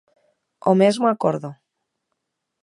¡O mesmo acordo!